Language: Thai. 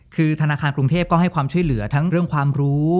คือธนาคารกรุงเทพก็ให้ความช่วยเหลือทั้งเรื่องความรู้